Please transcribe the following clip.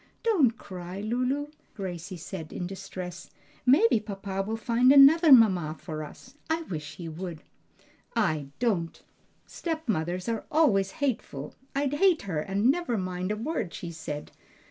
"Don't cry, Lulu," Gracie said in distress, "maybe papa will find another mamma for us. I wish he would." "I don't! stepmothers are always hateful! I'd hate her and never mind a word she said.